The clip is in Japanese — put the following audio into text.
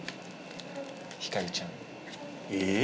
ひかりちゃんえ